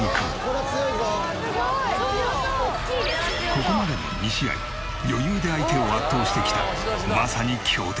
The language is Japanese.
ここまでの２試合余裕で相手を圧倒してきたまさに強敵。